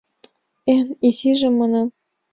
Эн изижым, манам.